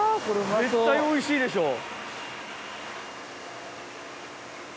絶対おいしいでしょう。